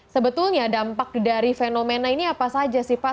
sebetulnya dampak dari fenomena ini apa saja sih pak